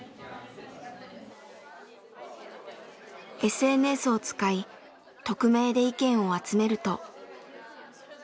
ＳＮＳを使い匿名で意見を集めると。